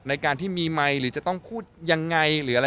ในการที่มีไมค์หรือจะต้องพูดยังไงหรืออะไร